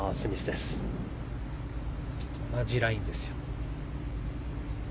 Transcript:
同じラインですよ。